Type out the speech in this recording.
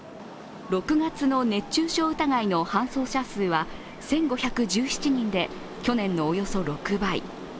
６月の熱中症疑いの搬送者数は１５１７人で去年のおよそ６倍。